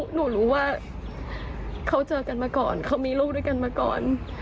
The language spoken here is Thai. หนูรู้ว่าเขาเจอกันมาก่อนเขามีลูกด้วยกันมาก่อน